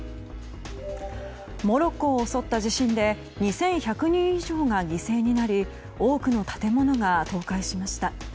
モロッコを襲った地震で２１００人以上が犠牲になり多くの建物が倒壊しました。